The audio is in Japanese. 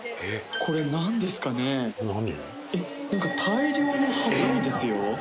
なんか大量のハサミですよ。